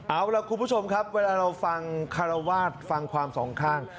เอาล่ะคุณผู้ชมครับเวลาเราฟังคารวาสฟังความสองข้าง